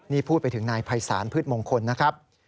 นี่พูดไปถึงนายภัยศาลพืชมงคลนะครับ